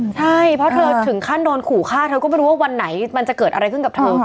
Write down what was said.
ใช่เพราะเธอถึงขั้นโดนขู่ฆ่าเธอก็ไม่รู้ว่าวันไหนมันจะเกิดอะไรขึ้นกับเธอ